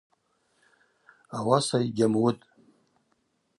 Ауаса йгьамуытӏ.